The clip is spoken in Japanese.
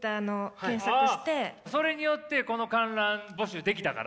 それによってこの観覧募集できたから。